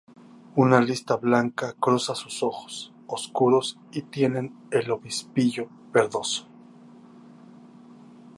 Una lista blanca cruza sus ojos oscuros y tienen el obispillo verdoso.